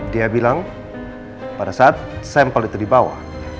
dia bilang pada saat sampel itu dibawa